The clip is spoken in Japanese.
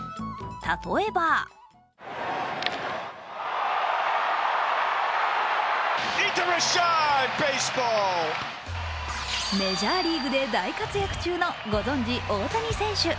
例えばメジャーリーグで大活躍中のご存じ、大谷選手。